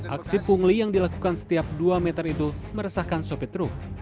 aksi pungli yang dilakukan setiap dua meter itu meresahkan sopi truk